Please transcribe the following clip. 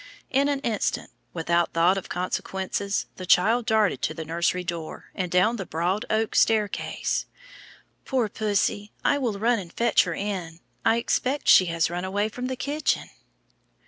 In an instant, without thought of consequences, the child darted to the nursery door and down the broad oak staircase. "Poor pussy, I will run and fetch her in. I expect she has run away from the kitchen."